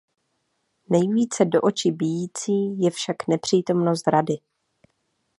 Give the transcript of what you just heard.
Nejvíce do očí bijící je však nepřítomnost Rady.